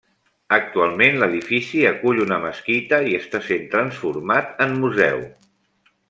Actualment, l'edifici acull una mesquita i està sent transformat en museu.